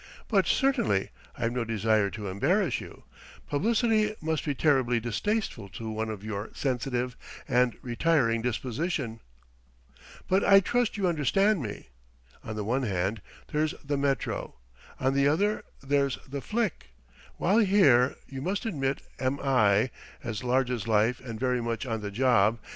"But certainly: I've no desire to embarrass you: publicity must be terribly distasteful to one of your sensitive and retiring disposition.... But I trust you understand me? On the one hand, there's the Métro; on the other, there's the flic; while here, you must admit, am I, as large as life and very much on the job!